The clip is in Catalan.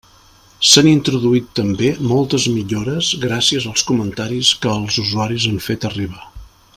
S'han introduït també moltes millores gràcies als comentaris que els usuaris han fet arribar.